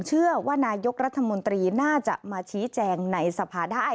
เชื่อว่านายกรัฐมนตรีน่าจะมาชี้แจงในสภาได้